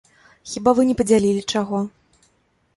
Хіба вы не падзялілі чаго?